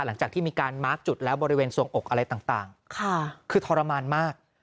หลังจากที่มีการมาร์คจุดแล้วบริเวณสวงอกอะไรต่างคือทรมานมาก